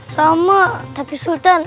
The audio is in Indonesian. sama tapi sultan